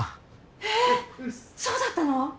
えっそうだったの？